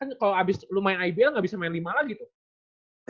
kan kalau lu main ibl gak bisa main lima lagi tuh